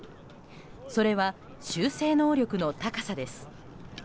それは、修正能力の高さです。